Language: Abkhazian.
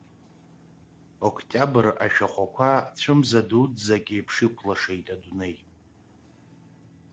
Октиабр ашәахәақәа цәымза дуӡӡак еиԥш иқәлашеит адунеи.